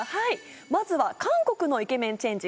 まずは韓国のイケメンチェンジ